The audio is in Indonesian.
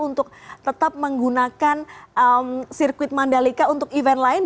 untuk tetap menggunakan sirkuit mandalika untuk event lain